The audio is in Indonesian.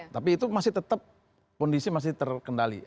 tapi itu masih tetap kondisi masih terkendali